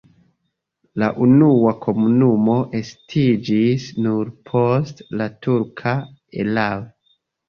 La unua komunumo estiĝis nur post la turka erao.